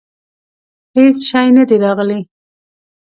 هیڅ شی نه دي راغلي.